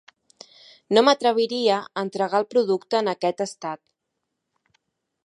No m'atreviria a entregar el producte en aquest estat.